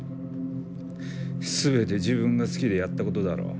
全て自分が好きでやったことだろう？